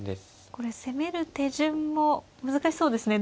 これ攻める手順も難しそうですね。